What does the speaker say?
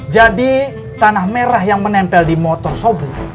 jadi tanah merah yang menempel di motor sobri